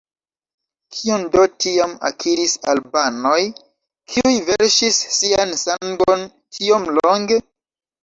Kion do tiam akiris albanoj kiuj verŝis sian sangon tiom longe?